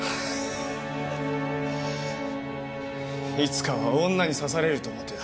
いつかは女に刺されると思ってた。